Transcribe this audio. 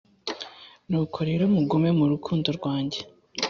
Nuko rero mugume mu rukundo rwanjye.